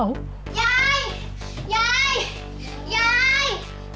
ยาย